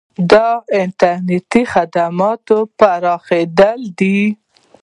د انټرنیټ خدمات مخ په پراخیدو دي